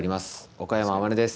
岡山天音です。